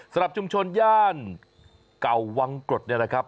สำหรับชุมชนย่านเก่าวังกรดเนี่ยนะครับ